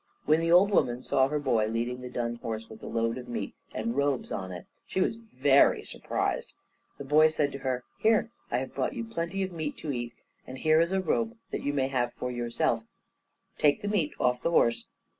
When the old woman saw her boy leading the dun horse with the load of meat and the robes on it, she was very surprised. The boy said to her, "Here, I have brought you plenty of meat to eat, and here is a robe, that you may have for yourself. Take the meat off the horse."